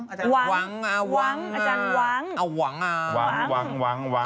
อาจารย์หวังหวังหวังหวังหวังหวังหวังหวังหวังหวังหวังหวังหวังหวังหวังหวังหวัง